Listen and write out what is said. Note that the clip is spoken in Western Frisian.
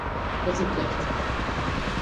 Doch dyn plicht.